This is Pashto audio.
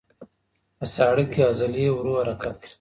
په ساړه کې عضلې ورو حرکت کوي.